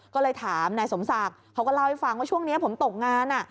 ก็เลยถามนายสมศักดิ์เขาก็เล่าให้ฟังว่าช่วงนี้ผมตกงาน